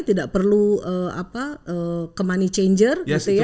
tidak perlu ke money changer gitu ya